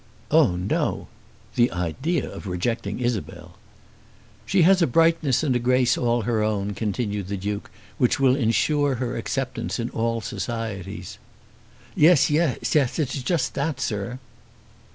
"Oh no!" The idea of rejecting Isabel! "She has a brightness and a grace all her own," continued the Duke, "which will ensure her acceptance in all societies." "Yes, yes; it is just that, sir."